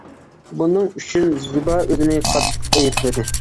بۇنىڭ ئۈچۈن زىبا ئۆزىنى قاتتىق ئەيىبلىدى.